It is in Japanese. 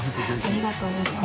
ありがとうございます。